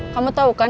kamu tahu kan